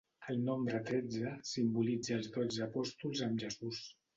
El nombre tretze simbolitza els dotze apòstols amb Jesús.